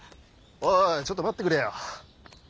おいおいちょっと待ってくれよ。